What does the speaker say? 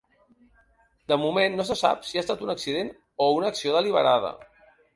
De moment, no se sap si ha estat un accident o una acció deliberada.